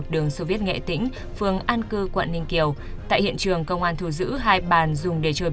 đường sô viết nghệ tĩnh phường an cư quận ninh kiều tại hiện trường công an thù giữ hai bàn dùng để chơi